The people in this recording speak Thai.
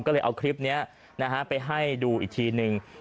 ก็เลยเอาคลิปนี้ไปให้ดูอีกทีนึง